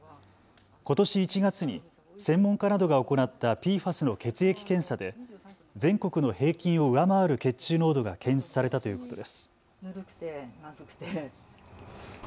ことし１月に専門家などが行ったＰＦＡＳの血液検査で全国の平均を上回る血中濃度が検出されたということです。